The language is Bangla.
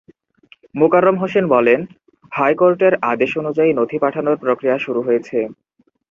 মোকাররম হোসেন বলেন, হাইকোর্টের আদেশ অনুযায়ী নথি পাঠানোর প্রক্রিয়া শুরু হয়েছে।